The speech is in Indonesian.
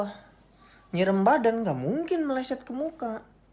nah nyirem badan nggak mungkin meleset ke muka